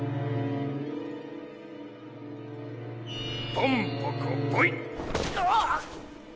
ポンポコポイ！